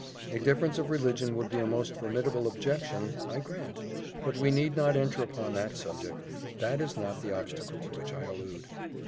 A difference of religion would be a most formidable objection, I grant; but we need not enter upon that subject that is not the obstacle to which I allude."